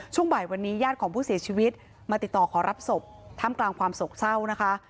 ช่วงบ่ายวันนี้ญาติของผู้เสียชีวิตมาติดต่อขอรับศพท่ามกลางความโศกเศร้านะคะ